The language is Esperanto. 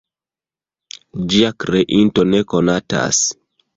Ĝia kreinto ne konatas.